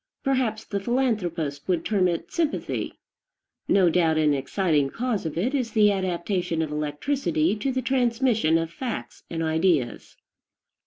Perhaps the philanthropist would term it sympathy. No doubt an exciting cause of it is the adaptation of electricity to the transmission of facts and ideas.